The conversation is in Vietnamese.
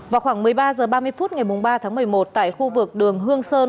vào khoảng một mươi ba h ba mươi phút ngày ba tháng một mươi một tại khu vực đường hương sơn